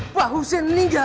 pak husein meninggal